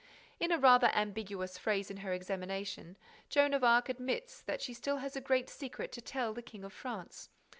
In a rather ambiguous phrase in her examination, Joan of Arc admits that she has still a great secret to tell the King of France.